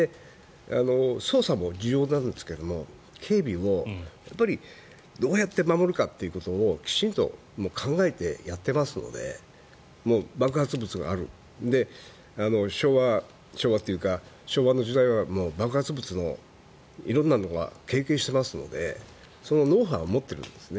捜査も重要なんですが警備もどうやって守るかということをきちんと考えてやってますので爆発物がある昭和の時代はもう爆発物の色んなのを経験してますのでそのノウハウを持ってるんです。